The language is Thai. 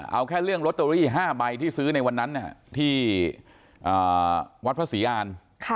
เอาแค่เรื่องลอตเตอรี่๕ใบที่ซื้อในวันนั้นที่วัดพระศรีอาน